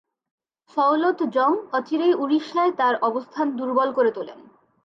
সওলত জং অচিরেই উড়িষ্যায় তাঁর অবস্থান দুর্বল করে তোলেন।